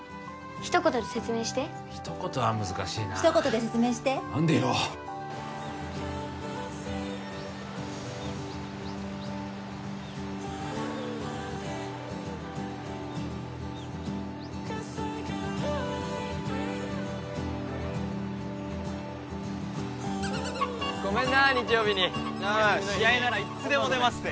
一言で説明して一言は難しいな一言で説明して何でよごめんな日曜日に試合ならいつでも出ますて